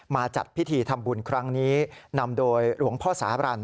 จัดพิธีทำบุญครั้งนี้นำโดยหลวงพ่อสารัน